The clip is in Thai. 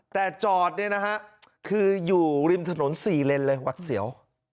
แต่จอดนะครับคืออยู่ริมถนนสี่เล่นเลยวัดเสี่ยว